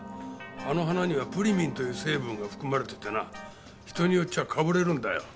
あの花にはプリミンという成分が含まれててな人によっちゃかぶれるんだよ。